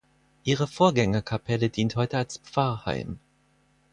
Ihre Vorgängerkapelle dient heute als Pfarrheim.